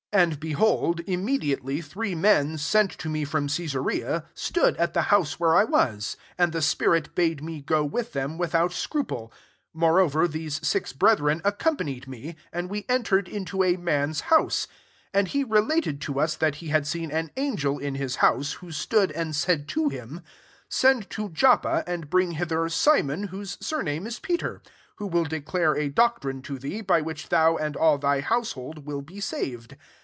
11 "And, behold, immediate y three men, sent to me from I^esarea, stood at the house vhere I was. 12 And the spirit )ade me go with them, [with )ut scruple:] moreover, these iix brethren accompanied me ; md we entered into a man's tiouse : IS and he related to us that he had seen an angel in his hovLStf who stood and said to lim, < Send to Joppa, and bring bither Simon, whose surname is Peter; 14 who will declare I doctrine to thee, by which thou and all thy household will be saved.'